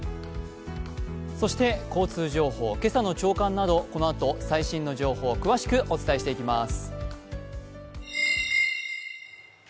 そして交通情報、今朝の朝刊など、このあと最新の情報詳しくお伝えしていきます